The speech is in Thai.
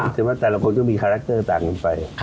แต่ละคนก็มีคาแรคเตอร์ต่างกันไป